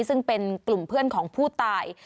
ซึ่งเป็นกลุ่มเพื่อนของผู้ตาย